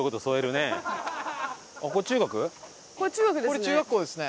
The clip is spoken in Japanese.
これ中学ですね。